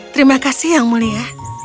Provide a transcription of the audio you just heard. terima kasih yang mulia